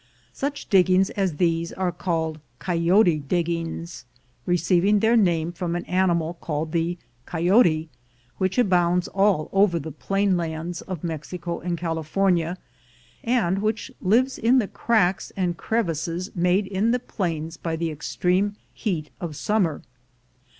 Such diggings as these are called "coyote" dig gings, receiving their name from an animal called the coyote, which abounds all over the plain lands of Mexico and California, and which lives in the cracks and crevices made in the plains by the extreme heat of summer.